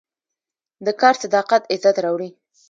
د کار صداقت عزت راوړي.